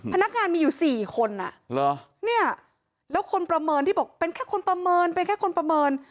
พนักงานมีอยู่๔คนแล้วคนประเมินที่บอกเป็นแค่คนประเมิน